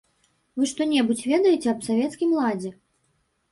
Вы што-небудзь ведаеце аб савецкім ладзе?